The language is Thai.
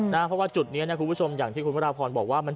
เพราะว่าจุดนี้นะคุณผู้ชมอย่างที่คุณพระราพรบอกว่า